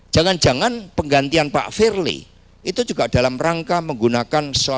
jangan jangan penggantian pak firly itu juga dalam rangka menggunakan